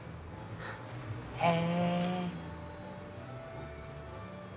へえ。